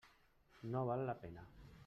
No val la pena.